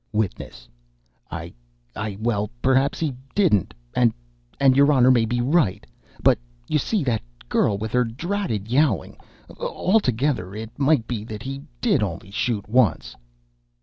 WITNESS. "I I well, perhaps he didn't and and your Honor may be right. But you see, that girl, with her dratted yowling altogether, it might be that he did only shoot once."